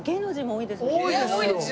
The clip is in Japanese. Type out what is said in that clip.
多いですよね。